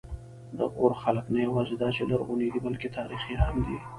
د غور خلک نه یواځې دا چې لرغوني دي، بلکې تاریخي هم دي.